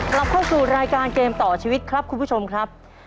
กลับเข้าสู่รายการเกมต่อชีวิตครับคุณผู้ชมครับ